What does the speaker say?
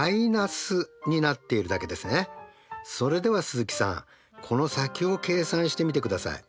それでは鈴木さんこの先を計算してみてください。